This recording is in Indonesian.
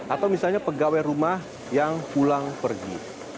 atau misalnya pegawai rumah yang pulang pergi